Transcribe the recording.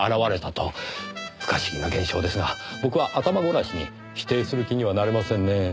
不可思議な現象ですが僕は頭ごなしに否定する気にはなれませんねぇ。